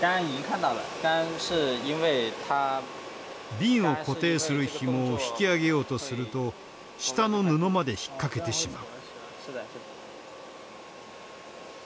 瓶を固定するひもを引き上げようとすると下の布まで引っ掛けてしまう。